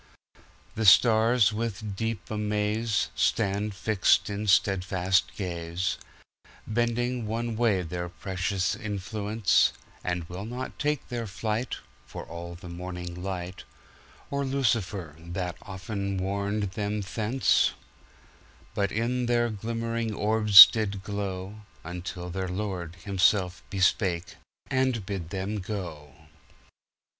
The stars, with deep amaze, Stand fixed in steadfast gaze, Bending one way their precious influence; And will not take their flight, For all the morning light, Or Lucifer that often warned them thence; But in their glimmering orbs did glow, Until their Lord himself bespake, and bid them go.